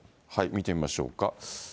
見てみましょうか。